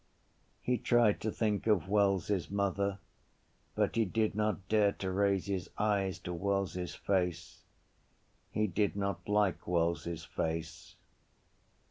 He tried to think of Wells’s mother but he did not dare to raise his eyes to Wells’s face. He did not like Wells’s face.